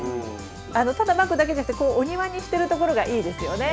ただまくだけじゃなくてこうお庭にしてるところがいいですよね。